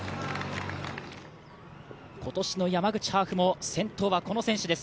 今年も山口ハーフは先頭はこの選手です。